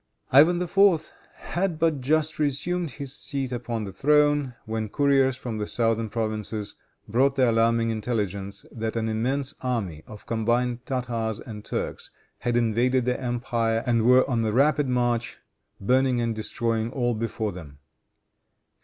Ivan IV. had but just resumed his seat upon the throne when couriers from the southern provinces brought the alarming intelligence that an immense army of combined Tartars and Turks had invaded the empire and were on the rapid march, burning and destroying all before them.